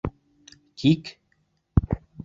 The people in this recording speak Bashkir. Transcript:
— Тик?..